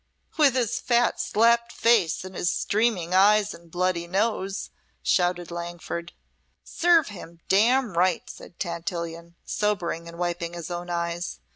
"With his fat, slapped face and his streaming eyes and bloody nose!" shouted Langford. "Serve him damn right!" said Tantillion, sobering and wiping his own eyes.